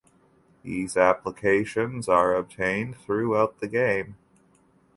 These applications are obtained throughout the game.